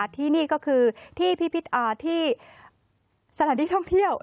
ที่นี่ก็คือที่พิพิธรที่สถานที่ท่องเที่ยว